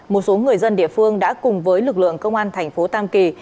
một số người dân địa phương đã cùng với lực lượng công an thành phố tam kỳ